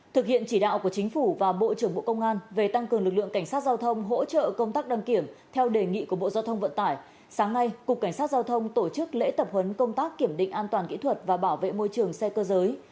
thực hiện chỉ đạo của chính phủ và bộ trưởng bộ công an về tăng cường lực lượng cảnh sát giao thông hỗ trợ công tác đăng kiểm theo đề nghị của bộ giao thông vận tải sáng nay cục cảnh sát giao thông tổ chức lễ tập huấn công tác kiểm định an toàn kỹ thuật và bảo vệ môi trường xe cơ giới